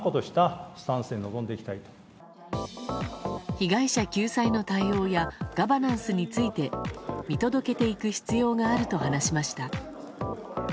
被害者救済の対応やガバナンスについて見届けていく必要があると話しました。